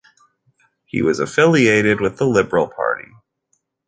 He was affiliated with the Liberal Party.